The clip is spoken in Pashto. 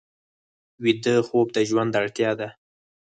ویده خوب د ژوند اړتیا ده